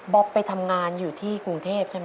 ไปทำงานอยู่ที่กรุงเทพใช่ไหม